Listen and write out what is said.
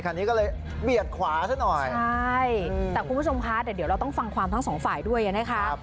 คันนี้ก็เลยเบียดขวาซะหน่อยใช่แต่คุณผู้ชมคะเดี๋ยวเราต้องฟังความทั้งสองฝ่ายด้วยนะคะ